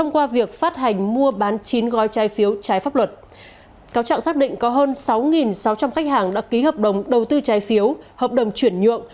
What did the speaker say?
cáo trạng xác định có hơn sáu sáu trăm linh khách hàng đã ký hợp đồng đầu tư trái phiếu hợp đồng chuyển nhượng